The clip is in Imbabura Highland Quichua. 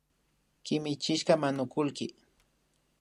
Kimichishka manukullki